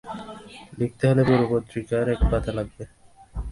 লিখতে হলে পুরো পত্রিকার এক পাতা লাগবে।